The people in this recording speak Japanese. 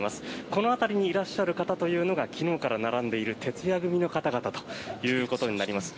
この辺りにいらっしゃる方というのが昨日から並んでいる徹夜組の方々ということになります。